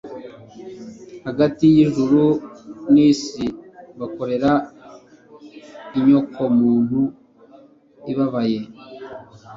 hagati y’ijuru n’isi bakorera inyokomuntu ibabaye.